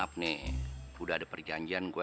maaf nih udah ada perjanjian gue